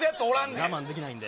我慢できないんで。